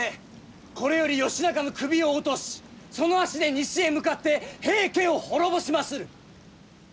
これより義仲の首を落としその足で西へ向かって平家を滅ぼしまする！